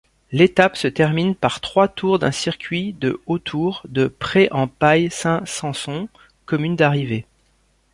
L'étape se termine par trois tours d'un circuit de autour de Pré-en-Pail-Saint-Samson, commune d'arrivée.